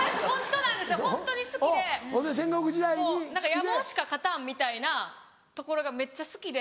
野望しか勝たんみたいなところがめっちゃ好きで。